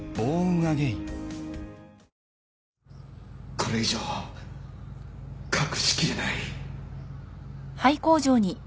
これ以上隠しきれない。